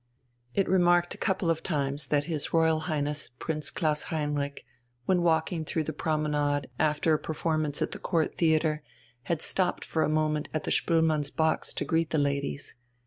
It remarked a couple of times that his Royal Highness Prince Klaus Heinrich, when walking through the promenade after a performance at the Court Theatre, had stopped for a moment at the Spoelmanns' box to greet the ladies.